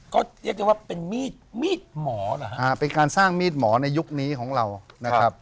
ก็เรียกได้ว่าเป็นมีดมีดหมอเหรอฮะเป็นการสร้างมีดหมอในยุคนี้ของเรานะครับ